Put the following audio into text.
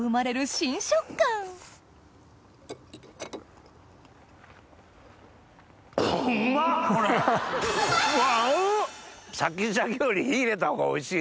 シャキシャキより火入れたほうがおいしい。